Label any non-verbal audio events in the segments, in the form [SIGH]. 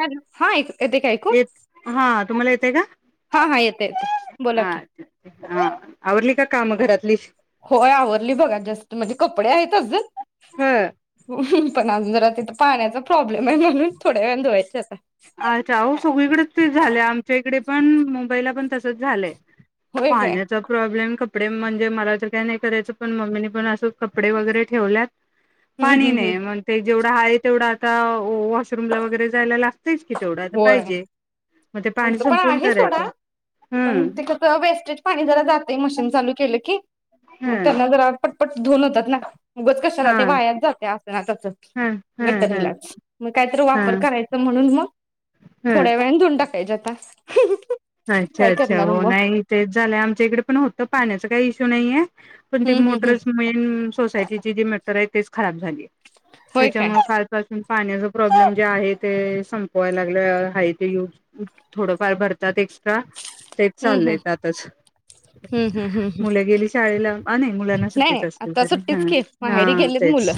Hello hi येतय का ऐकू ते का हा हा येतय येतय बोला की अच्छा हा आवरली का काम घरातलीच होय आवरली बघा जस्ट म्हणजे कपडे आहेत अजून पण अजून जरा तिथं पाण्याचा प्रॉब्लेम म्हणून थोड्या वेळाने धुवायचं असं अच्छा हो सगळीकडेच ते झाले आमच्या इथे तिकडे पण मुंबईला पण तसच झालंय. होय काय पाण्याचा प्रॉब्लेम क कपडे म्हणजे मला तर काही नाही करायचं पण मम्मीने पण असं कपडे वगैरे ठेवल्यात हम्म पाणी हम्म हम्म नाही म्हणून ते जेवढा आहे तेवढा आता वॉशरूम ला वगैरे जायला लाग तेच की तेवढ आता होय पाहिजे. ते पाणी आमचं पण संपूर्ण आहे करायचं सोडा पण हम्म तिकडच वेस्टेज पाणी जरा जातय मशीन. चालू केलं की ह मग त्यांनाच बरा [UNINTELLIGIBLE] पट [UNINTELLIGIBLE] धुवून होतात ना? उगच कशाला? हा ते वायाच जातय असं ना तसं ह ह ह गटरीलाच मग कायतर ह वापर करायचं? म्हणून मग ह थोड्या वेळाने धुन टाकतो. [UNINTELLIGIBLE] अच्छा अच्छा करणार हो मग नाही तेच झालं आमच्या इकडे पण होतं पाण्याचं काही [UNINTELLIGIBLE] नाहीये पण ती हम्म हम्म हम्म मोटर्स मेन सोसायटीची जी खरं आहे तिच खराब झालीय होय काय त्याच्यामुळे [INAUDIBLE] कालपासून पाण्याचा प्रॉब्लेम जे आहे ते संपवायला लागले हा ते यूज थोडफार भर त्यात एक्सट्रा तेच हम्म चाललंय हम्म आताच हम्म हम्म हम्म हम्म मुलं गेली शाळेला आं नाही मुलांना नाही सुट्टीच नाही असतील आता सॉरी तरी हा सुट्टीच की माहेरी हा गेलीत मुलं तेच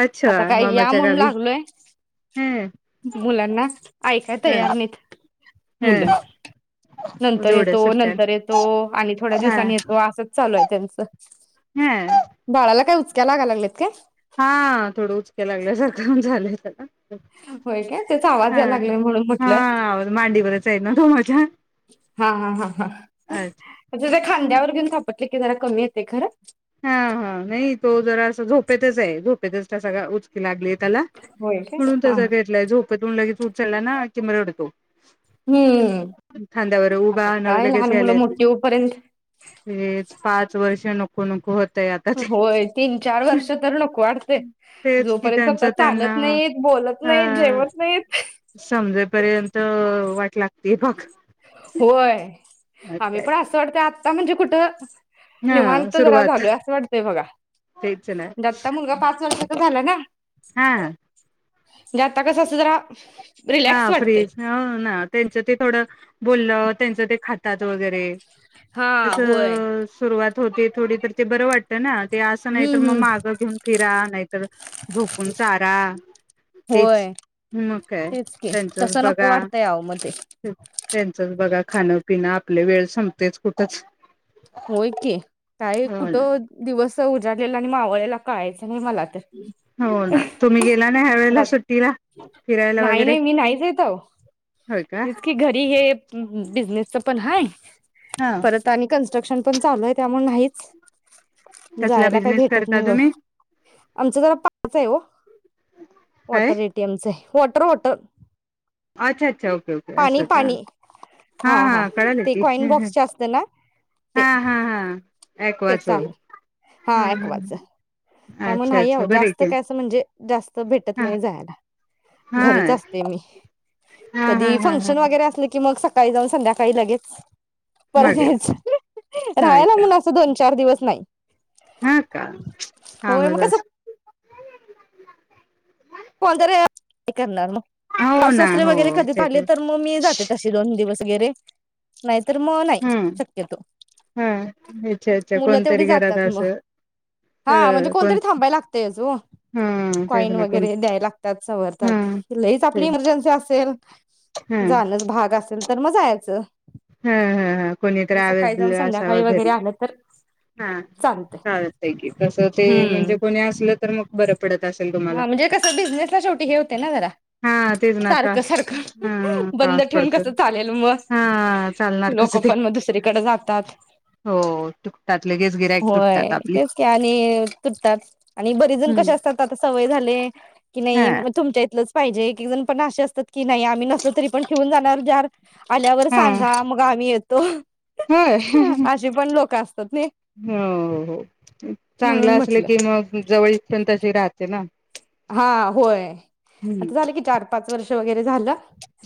अच्छा आता काय या मामाच्या म्हणून गावी लागलोय हं ते काय तयार नाहीत? मुलं [INAUDIBLE] नंतर जेवढ्या येतो सुट्ट्या नंतर येतो आणि थोड्या हा दिवसांनी येतो अस. चालू आहे त्यांच ह बाळाला काय उच त्या लागा लागात्यात काय? हा थोडं उचक्या लागल्यासारख झालंय त्याला होय काय? त्याचा हा आवाज यायला लागलाय म्हणून म्हटल हा मांडीवरच आहे ना तो माझ्या हा हा अच्छा त्याच्या खांद्यावर [UNINTELLIGIBLE] कमी येतय खरं हा हा नाही तो जरा अस झोप झोपेतच आहे झोपेतच तसा उचकी लागलीय. त्याला होय काय म्हणून हा [UNINTELLIGIBLE] झोपेतून लगेच उ चला ना कि मग रडतो हम्म खांद्यावर उभा आता न काय लगेच लहान घ्यायला मुलं येत नाही मोठी होऊपर्यंत वय पाच वर्ष हे [UNINTELLIGIBLE] कमकुवत होय तीन चार वर्ष तर नको वाटते. तेच कि जोपर्यंत त्यांचं त्यांना चालत नाहीत, बोलत अ नाहीत, जेवत नाहीत. [UNINTELLIGIBLE] ये बघ [INAUDIBLE] होय... आम्ही काय पण असं वाटत्यात [UNINTELLIGIBLE] म्हणजे कुठ हा निवांत जरा सुरुवात झालोय असं वाटतय बघा तेच ना आता मुलगा पाच वर्ष ओ घाला ना हा ते आता कस असतय जरा हा रिलॅक्स वाटतंय फ्रीज ना त्यांच्या ति थोडं बोलयाव तेंच ते खातात वगैरे हा तस होय सुरुवात होते थोडी तर ते बरं वाटतं ना ते असं नाहीतर हम्म मग हम्म मागं घेऊन फिरा नाहीतर झोपून चारा तेच ह् मग काय? [UNINTELLIGIBLE] तस त्यांचंच नको बघा वाटतय आओ मध्ये त्यांचंच बघा खाणं पिन आपले वेळ संपतेच कुठंच होय की काय? हो ना कुठं दिवस? तो उजाडलेला आणि मावळलेला कळायच [UNINTELLIGIBLE] मला तर हो ना तुम्ही [UNINTELLIGIBLE] गेला ना ह्या वेळेला मला सुट्टीला फिरायला नाही वगैरे नाही मी नाहीच होय का येत क घरी हे बिसनेस च पण हाय हा [INAUDIBLE] परत आणि कण ते पण चालूय आहे त्यामुळे नाहीच कसला जायाला काय बिझनेस भेटत करता नाही व तुम्ही आमच जरा पापच हाय हो काय वॉटर एटीएमच हाय वॉटर होत. अच्छा अच्छा ओके ओके असं का? हा हा कळाल ते की कॉइन बॉक्सच असत ना ते हा [INAUDIBLE] हा हा ॲक्वाच तेच हा आहे हा ऍक्वाच हा त्यामुळे अच्छा नाही आ अच्छा बरं आहे जास्त की काय असं म्हणजे जास्त भेटत हा नाही जायला हा घरीच असते मी हा हा हा कधी हा फंक्शन हा वगैरे असले की मग स सकाळी जाऊन संध्याकाळी लगेच परत मागेल याच राहाला म्हून असं दोन चार दिवस नाई हं का [UNINTELLIGIBLE] हां मग अस कोणतर ये करणार मग हो सासू ना सासरे हो वगैरे कधी ते आले तर म मी जाते तशी दोन दिवस गेरे नाहीत तर म नाही हम्म शक्यतो हा अच्छा अच्छा मुलं तेवडी कोणतरी घरात जातात म असं हां म्हणजे ह कोण कोणतरी थांबाय लागतयच ओ हा तेच ना कॉइनव कोण द्यायला लागतात हा सवरतात लैच ह आपली इमार्जेन्सी असेल हा जाणचं भाग अस ल तर मग जायाचं हा हा हा कोणीतर अवैलेबल जाऊन असावा संध्याकाळी वगैरे घरी आलं तर हा चालत चालतै की तस ते हम्म म्हणजे कोणी असलं तर मग बरं पडत असेल तुम्हाला हा म्हणजे कसं बिझनेसला शेवटी हे होते ना जरा हा तेच ना सारखं त्रास सारखं हा बंद त्रास ठेवून पडतो कसं चालेल मग हा चालणार लोक कसं ते पण मग दुसरीकडे जातात हो तुटतात लगेच गिरायक होय तुटतात आपली तेच की आणि तुटतात आणि बरीजण कशी हम्म असतात सवय झालीय की हा नई मग तुमच्या इथल पाहिजे एक एक जण पण अशे असतात की नाही आम्ही नसल तरी पण ठेवून जाणार जार आल्यावर हा सांगा मग आम्ही ये तो हो अशी पण लोक अस हो हो म्हणून चांगलं असल म्हटलं की मग जवळीक पण तशी राह तेना हा होय आता झालं की चार पाच वर्ष जेवण वगैरे झालं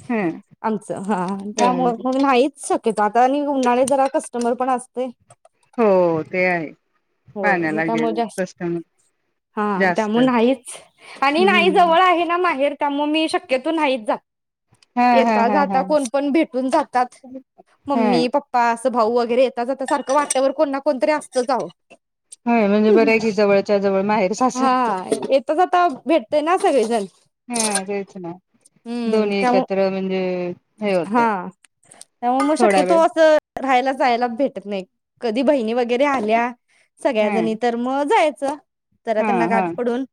ह आमच हा त्यामुळे ह मग नाहीच शक् आता आणि उन्हाने जरा कस्टमर ते पण असते हो ते आहे होय मग पाण्यालागे त्यामुळे जास्त कस्टमर हा जास्त त्यामुळे नाहीच आणि नाही हम्म जवळ आहे ना माहेर का म मी शक्यतो नाहीच जात हा हा येता हा जाता हा कोण पण भेटून जातात हा मम्मी पप्पा असं भाऊ वगैरे येता जाता सारखं वाटवर कोणना कोणतरी असतच आहो होय म्हणजे बराय की जवळच्या जवळ माहेर सासर भेटतोय ना सगळीजण हा तेच ना हम्म दोन्ही त्यामुळ एकत्र म्हणजे हे होतय हा मग थोडा शक्यतो वेळ अस राहायला जायला भेट नाही कधी बहिणी वगैरे आल्या सगळ्या हा जणी तर म जाय च् तरा हा त्यांना हा गाठ पडून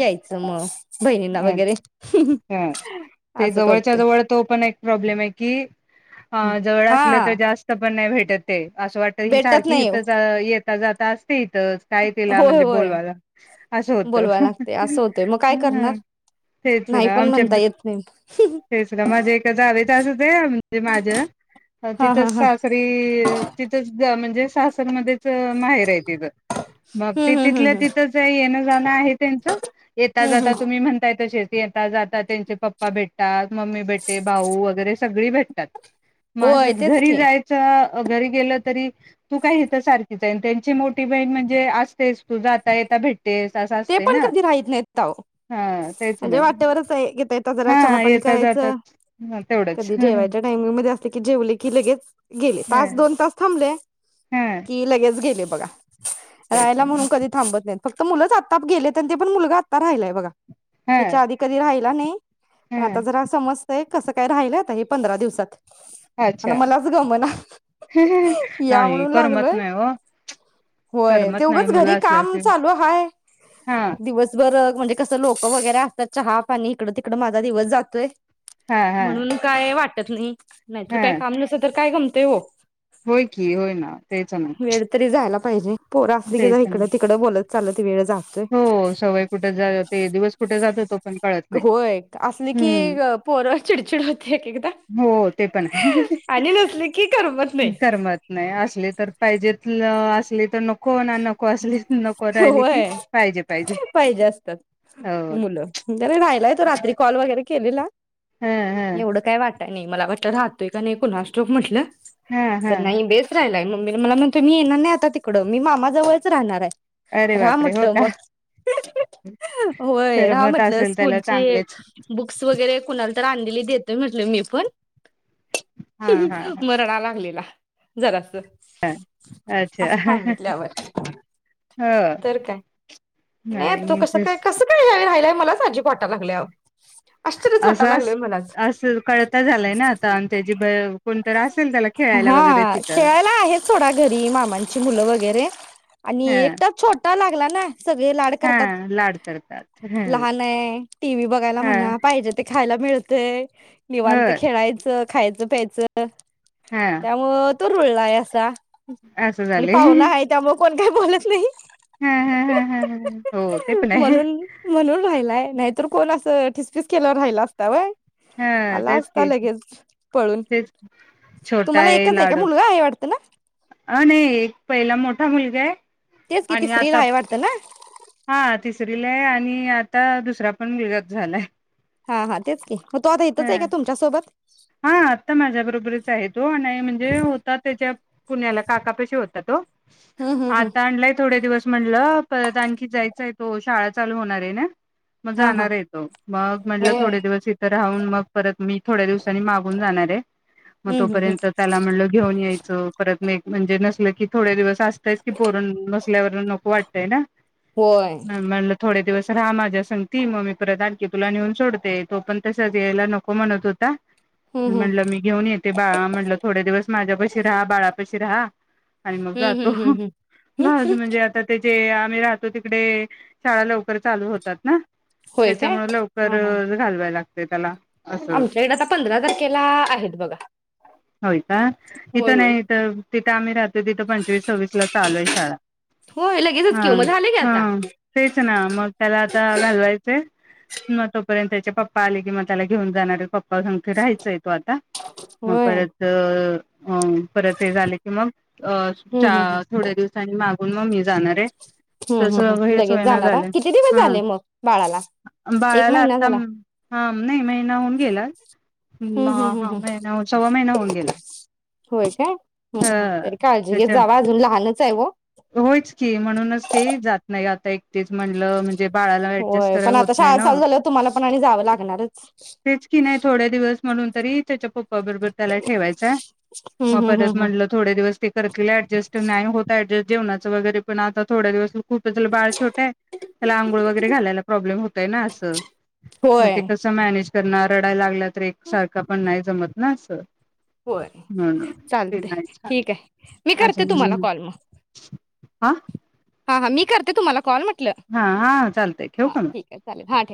यायच म. हा ते असं जवळच्या करतोय जवळ तो पण एक प्रॉब्लेम आहे की जवळ असल हा त जास्त पण नाय भेट त ते [UNINTELLIGIBLE] अस वाटत ही भेटत सारखीे नाही हितच येता जात असते इथच काय तिला होय म्हणजे होय बोलवायला अस होत बोलवाय लागते असं होतंय मग काय करणार ह तेच नाही ना पण आमच्या म्हणता येत नाही. तेच ना माझ्या एका जावे [INAUDIBLE] माझ हा हा तिथच हा सासरी तिथच म्हणजे मध्येच माहेर आहे तीज मग ते हम्म हम्म तिथल्या हम्म हम्म तिथंच येण जाण आहे त्यानंच येता हम्म जाता. हम्म म्हणताय तसेच येता जाता त्यांचे पप्पा भेटतात. मम्मी भेटते भाऊ वगैरे सगळी भेटतात म होय असच तेच घरी की जायच घरी गेल तरी तू काय हित सारखीच आहे त्यांची मोठी बहीण म्हणजे असतेस तू जाता येता भेट ते पण कधी राहीत नाहीत का ओ. हा तेच ना म्हणजे वाट्यावरच आहे येता येता जरा हा चहा पाणी येता करायच जातात ह तेवढंच कधी हा जेवायच्या टाइमिंग मध्ये अस की जेवले की लगेच गेले तास दोन तास थाम [UNINTELLIGIBLE] कि लगेच गेले बगा. तेच राहायला ना. म्हणून कधी थांबत नाहीत. फक्त मुल जात ताप गेलेत आणि ते पण मुलगा आता राहिलाय बघा. हा ह्याच्या आधी कधी राहि ला नई पण आता हा जरा समजतय कस काय राहिल आता हे पंधरा दिवसात. आणि अच्छा मलाच गमना या नाही म्हणून करमत लागलोय नाही हो होय ते करमत नाही उगच मुलं घरी काम असल्याशिवाय चालू हाय. हा दिवसभर बघ म्हणजे कस लोक वगैरे असतात चहा पाणी इकड तिकड माझा दिवस जातोय हा हा म्हणून काय वाट त्यात नाई. नाहीत हा काय काम नसल तर. काय गमतय ओ होय की होय ना तेच ना तरी जायला पाहिजे पोर असली की तेच जरा ना इकड तिकडं बोलत चाललं ती वेळच हो सवय कुठे जाते दिवस कुठे जातो तो पण कळत नाही होय असली की हम्म पोर चिडचिड होते एक एकदा हो ते पण आहे आणि नसली की करमत नाही. करमत नाही असले तर पाहिजेत असली तर नको होणार नको असली नको राहिली की होय पाहिजे असतात हो मुलं राहिलाय तरी रात्री कॉल वगैर केलेला ह ह एवढं काय वाट काय नाई मला वाटलं राहतोय का नाई कुणास ठाऊक म्हटलं हा तर हा नाही बेस राहिलाय म म मला म्हणतो मी येणार नाय आता तिकड मी मामाजवळ च राहणार आहे. अरे रहा बापरे म्हटल हो का मग होय रा करमत म्हटलं असेल त्याला स्कूलची चांगलेच बुक्स वगैरे कुणाला तर आणलेली देतोय म्हटल मी पण हा हा म रडायला लागलेला जरास ह अच्छा हो तर काय नाय तू नाही कस तेच काय कसं काय? की राहिलाय मलाच अजब वाटायला लागलय आओ असं अस असं कळता झालंय ना आता त्याची ब कोण तर असेल त्याला खेळायला हा वगैरे तिथं खेळायला आहेत सोडा घरी मामांची मुलं वगैरे आणि ह एकटाच छोटा आ लागला ना? सगळे लाड हा करतात लाड करतात ह लहानये टी व्ही बघायला ह म्हणा पाहिजे ते खायला मिळतय. निवांत ह खेळायचं खायचं प्यायचं हा त्यामुळं तो रुळलाय असा असं आणि झालंय ह ह पाहुणा ह..... आहे त्यामुळे कोण काही बोलत नाही हि ही.... ह ही हो ते ही पण ही आहे म्हणून म्हणून राहिलाय नाही....... तर कोण असं ठिसफिस केलावर राहिला असता व्हय? हा तेच की पळून तेच छोटा तुम्हाला आहे एकच का लाड मुलगा आहे वाटतं ना अ नाही एक पहिला मोठा मुलगा... [UNINTELLIGIBLE] तेच की आणि तिसरीला आहे वाटत ना? दिलय आणि आता दुसरा पण विरोध झालाय.... हा हा तेच की..... मग तो आता इथंच आहे का ह तुमच्यासोबत हा आता माझ्या बरोबरच आहे तो आणि म्हणजे होता त्याच्या पुण्याला काकापशी होता तो हम्म हम्म हम्म आता आणलाय थोडे दिवस..... म्हंटलं परत आणखी जायचा आहे तो शाळा चालू होणार आहे ना.. मग हा हा जाणार ये तो मग म्हंटलं होय थोडे दिवस इत काऊन मी परत मी थोडया दिवासानी मागुन जाणार हाय मग हम्म हम्म हम्म तोपर्यंत त्याला म्हटलं घेऊन यायचं परत...... म्हणजे नसल की थोडे दिवस असतयच की पोरण नसल्यावर नको वाटतंय ना... होय ह म्हटलं थोडे दिवस.... राहा माझ्या सगती मग मी परत आणखी तुला नेऊन सोडते तो पण... तसच यायला नको म्हणत होता.... हम्म हम्म म्हंटलं मी घेऊन येते बाळा म्हटलं थोडे दिवस माझ्यापशी राहा बाळापाशी राहा. आणि मग हम्म जातो हम्म हम्म हम्म हम्म म्हणजे आता त्या.... जे आम्ही राहतो तिकडे शाळा लवकर चालू होतात ना... होय काय त्याच्यामुळे हा हा लवकर घालवाय लागत. ते त्याला.... अस... आमच्या इकडे आता पंधरा तारखेला आहेत बघा होय का होय इथं होय नाही इथ तिथं आम्ही राहतो तिथं पंचवीस सव्वीस ला चालू आहे शाळा होय लगेचच हा कि ओ मग झाले की आता हा तेच ना मग त्याला.. घालवायचे म तोपर्यंत त्याच्या पप्पा..... पाहिले कि म त्याला घेऊन जाणारे पप्पा सांगे राहायचं तो आता.... मग होय परत अ........ हा परत हे झाले की मग... अ हम्म हम्म हम्म थोड्या दिवसांनी मागून मग मी जाणार ये हम्म तस हम्म हम्म हेच लगेच होय ना जाणारा झालय किती दिवस हा झाले मग बाळाला एक बाळाला महिना आता झाला हां नाही महिना होऊन गेलाय. हम्म हम्म हा हम्म हम्म महिना सव्वा महिना होऊन गेला.... होय काय. हम्म हा हम्म तरी काळजी घेत त्याच्या जावा अजून लहानच आहे ओ होयच की म्हणूनच काई जात... नाही आता एक तेच म्हणलं म्ह होयपण आता शाळा चालु झाल्यावर तुम्हालाच हो आणि जाव लागणारच तेच की नाही थोडे दिवस म्हणून तरी त्याचा पप्पा बरोबर त्याला ठेवायचय हम्म म हम्म परत हम्म हम्म म्हंटलं थोड़े दिवस ते करतील एडजस्ट तर नाय होत एडजस्ट जेवणाचं वगैरे पण आता थोड्या दिवस कुठं न बाळ छोटय त्याला आंघोळ वगैरे घालायला प्रोब्लेम होतोय ना अस मग ते होय कसं मॅनेज त्यांना रडायला लागला तर एकसारख पण नाय जमत ना अस. होय चाल तय छान ठीक हाय मि करते असं तुंम्हाला म्हणून कॉल मग हा हा हा मी करते तुम्हाला कॉल म्हटल. हा हा चालतय ठेउ का मग. चालेल हां ठेवा.